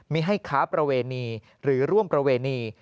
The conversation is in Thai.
มีให้ค้าประเวณีหรือร่วมประเวณี